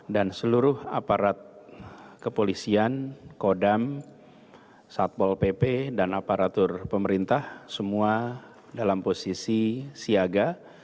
dan seluruh aparat kepolisian kodam satpol pp dan aparatur pemerintah semua dalam posisi siaga